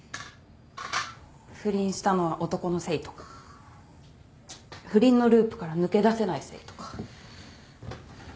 不倫したのは男のせいとか不倫のループから抜け出せないせいとか。